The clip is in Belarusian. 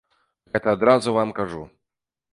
Гэта адразу вам кажу.